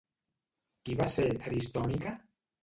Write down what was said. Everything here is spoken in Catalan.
Qui va ser Aristònica?